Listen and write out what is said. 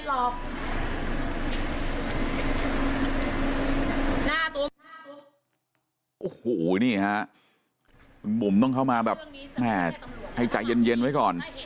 โอ้โหนี่ฮะคุณบุ๋มต้องเข้ามาแบบแม่ให้ใจเย็นไว้ก่อน